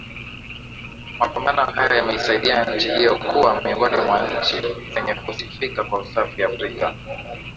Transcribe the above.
Mapambano haya yameisaidia nchi hiyo kuwa miongoni mwa nchi zenye kusifika kwa usafi Afrika